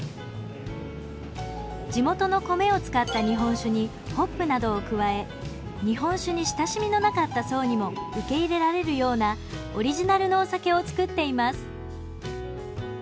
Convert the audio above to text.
地元の米を使った日本酒にホップなどを加え日本酒に親しみのなかった層にも受け入れられるようなオリジナルのお酒を造っています。